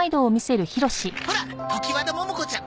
ほら常磐田モモ子ちゃん。